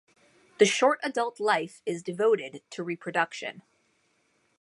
The short adult life is devoted to reproduction.